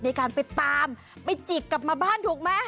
ในการไปตามไปจิกกลับมาบ้านถูกไหม